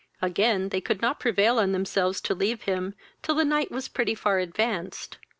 Again they could not prevail on themselves to leave him, till the night was pretty far advanced.